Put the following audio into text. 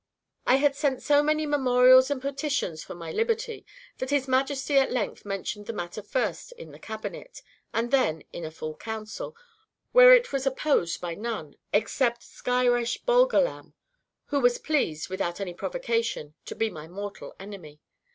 I had sent so many memorials and petitions for my liberty, that his Majesty at length mentioned the matter first in the cabinet, and then in a full council; where it was opposed by none, except Skyresh Bolgolam, who was pleased, without any provocation, to be my mortal enemy.